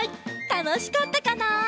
たのしかったかな？